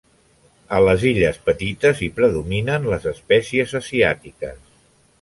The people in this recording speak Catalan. A les Illes Petites hi predominen les espècies asiàtiques.